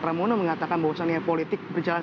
pramono mengatakan bahwasannya politik berjalan